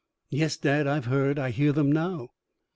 "Yes, Dad, I have heard. I hear them now."